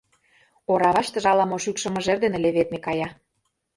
Ораваштыже ала-мо шӱкшӧ мыжер дене леведме кая.